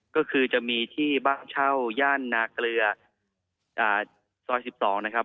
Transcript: ก็คือจะมีที่บ้านเช่าย่านนาเกลือซอย๑๒นะครับ